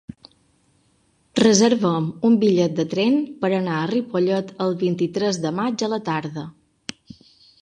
Reserva'm un bitllet de tren per anar a Ripollet el vint-i-tres de maig a la tarda.